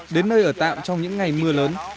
đến nơi ở tạm trong những ngày mưa lớn